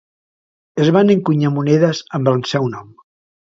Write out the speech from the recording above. Es van encunyar monedes amb el seu nom.